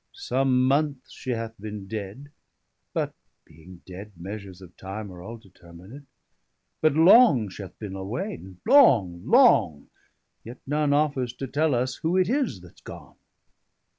Some moneths she hath beene dead (but being dead, Measures of times are all determined) 40 But long she'ath beene away, long, long, yet none Offers to tell us who it is that's gone.